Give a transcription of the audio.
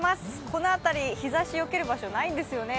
このあたり、日ざしをよける場所がないんですよね。